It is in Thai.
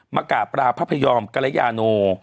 มากะปราพยอมกระยานู